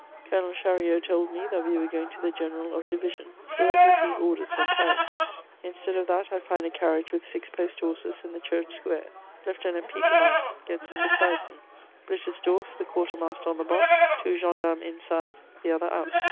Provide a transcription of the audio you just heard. Colonel Chariot told me that we were going to the general of division, who has received orders from Paris. Instead of that, I find a carriage with six post horses in the Church Square. Lieutenant Petermann gets in beside me, Blitersdorff the quarter master on the box, two gendarmes inside, the other out."